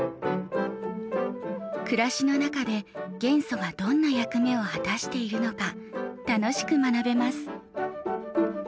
暮らしの中で元素がどんな役目を果たしているのか楽しく学べます。